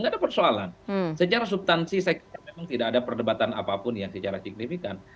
tidak ada persoalan secara subtansi saya kira memang tidak ada perdebatan apapun yang secara signifikan